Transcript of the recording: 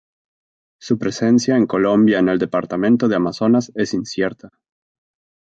Su presencia en Colombia en el departamento de Amazonas es incierta.